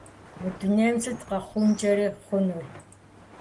Мы дунейм сыт къэхъункӏэри хъунур?!